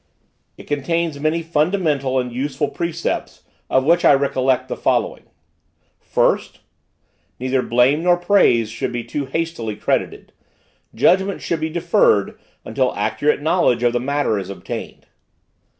It contains many fundamental and useful precepts, of which I recollect the following: "1st. Neither praise nor blame should be too hastily credited; judgment should be deferred until accurate knowledge of the matter is obtained.